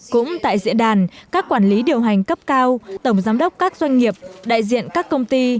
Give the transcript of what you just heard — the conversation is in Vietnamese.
cũng tại diễn đàn các quản lý điều hành cấp cao tổng giám đốc các doanh nghiệp đại diện các công ty